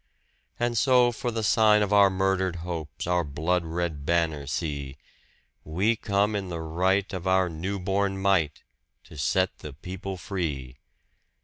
And so for the sign of our murdered hopes our blood red banner see We come in the right of our new born might to set the people free!